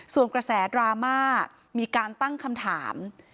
ส่วนกระแสดราม่ามีการตั้งคำถาม